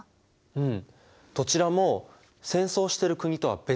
うん。